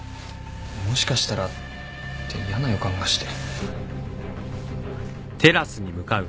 もしかしたらって嫌な予感がして。